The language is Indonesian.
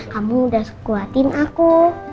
kamu udah sekuatin aku